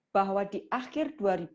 bahwa di akhir dua ribu dua puluh